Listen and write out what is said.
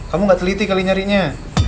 kamu gak teliti kali nyarinya